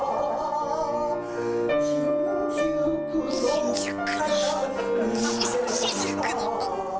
新宿か。